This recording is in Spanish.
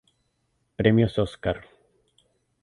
Premios óscar